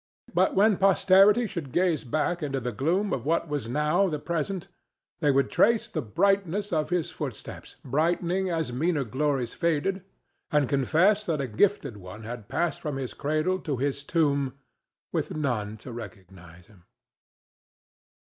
But when posterity should gaze back into the gloom of what was now the present, they would trace the brightness of his footsteps, brightening as meaner glories faded, and confess that a gifted one had passed from his cradle to his tomb with none to recognize him.